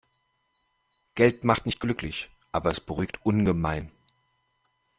Geld macht nicht glücklich, aber es beruhigt ungemein.